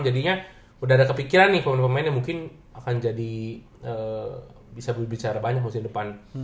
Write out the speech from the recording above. jadinya udah ada kepikiran nih pemain pemain yang mungkin akan jadi bisa berbicara banyak musim depan